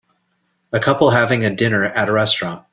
A couple having a dinner at a restaurant.